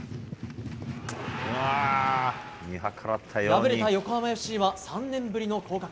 敗れた横浜ＦＣは３年ぶりの降格。